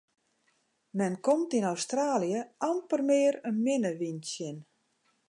Men komt yn Australië amper mear in minne wyn tsjin.